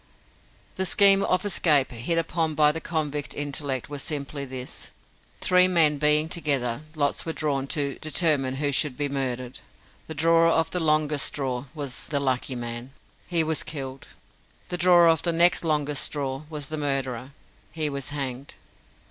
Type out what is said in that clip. The scheme of escape hit upon by the convict intellect was simply this. Three men being together, lots were drawn to determine whom should be murdered. The drawer of the longest straw was the "lucky" man. He was killed. The drawer of the next longest straw was the murderer. He was hanged.